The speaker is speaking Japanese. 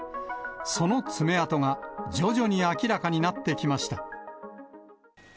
その爪痕が、徐々に明らかになってきました。